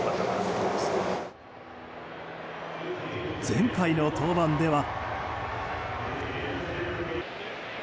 前回の登板では。